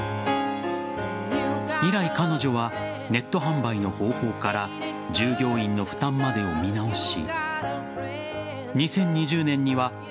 以来、彼女はネット販売の方法から従業員の負担までを見直し